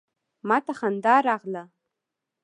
ما ته خندا راغله.